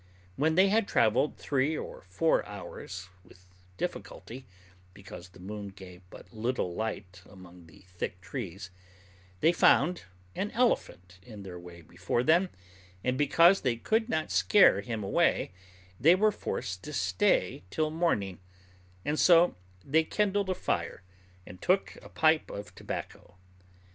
When they had travelled three or four hours with difficulty, because the moon gave but little light among the thick trees, they found an elephant in their way before them, and because they could not scare him away, they were forced to stay till morning; and so they kindled a fire, and took a pipe of tobacco.